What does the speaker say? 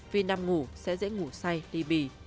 vì nằm ngủ sẽ dễ ngủ say đi bì